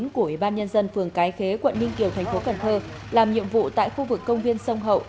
của ủy ban nhân dân phường cái khế quận ninh kiều tp cn làm nhiệm vụ tại khu vực công viên sông hậu